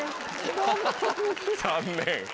残念。